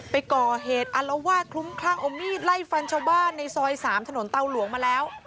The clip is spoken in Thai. ไปก่อเหตุอารวาสคลุ้มคลั่งเอามีดไล่ฟันชาวบ้านในซอย๓ถนนเตาหลวงมาแล้ว